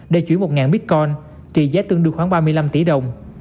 để chuyển một bitcon trị giá tương đương khoảng ba mươi năm tỷ đồng